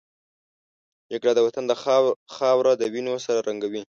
جګړه د وطن خاوره د وینو سره رنګوي